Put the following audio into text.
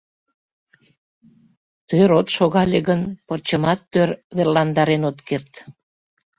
Тӧр от шогале гын, пырчымат тӧр верландарен от керт.